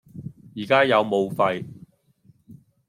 而家有武肺